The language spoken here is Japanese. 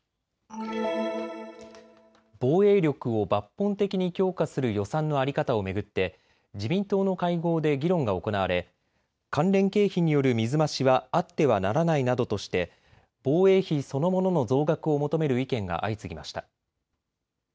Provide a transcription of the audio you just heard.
防衛力を抜本的に強化する予算の在り方を巡って自民党の会合で議論が行われ、関連経費による水増しはあってはならないなどとして防衛費そのものの増額を求める意見が相次ぎました。